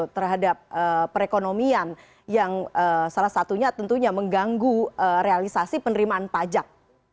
terhadap perekonomian yang salah satunya tentunya mengganggu realisasi penerimaan pajak